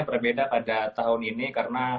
berbeda pada tahun ini karena